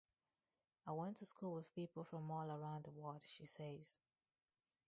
"I went to school with people from all around the world", she says.